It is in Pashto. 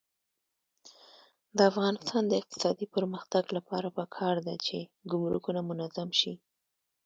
د افغانستان د اقتصادي پرمختګ لپاره پکار ده چې ګمرکونه منظم شي.